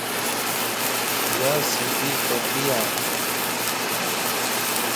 ايا سنڌي ٽوپي ا